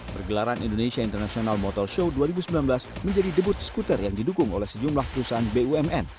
pergelaran indonesia international motor show dua ribu sembilan belas menjadi debut skuter yang didukung oleh sejumlah perusahaan bumn